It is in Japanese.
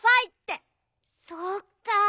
そっか。